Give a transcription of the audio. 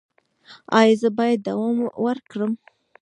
ایا زه باید دوام ورکړم؟